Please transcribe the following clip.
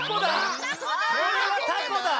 これはタコだ！